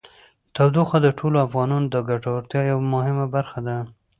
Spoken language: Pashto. تودوخه د ټولو افغانانو د ګټورتیا یوه مهمه برخه ده.